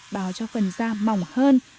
bào cho phần da mỏng hơn